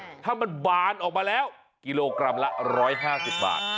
ถ้ามันบานออกมาแล้วกิโลกรัมละ๑๕๐บาท